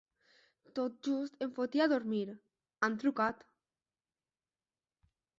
Tot just em fotia a dormir, han trucat.